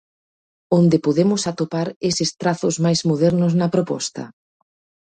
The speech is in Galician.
Onde podemos atopar eses trazos máis modernos na proposta?